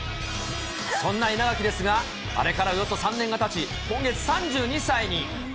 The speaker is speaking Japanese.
そんな稲垣ですが、あれからおよそ３年がたち、今月、３２歳に。